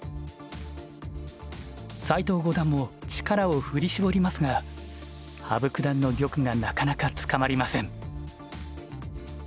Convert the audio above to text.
斎藤五段も力を振り絞りますが羽生九段の玉がなかなか捕まりません。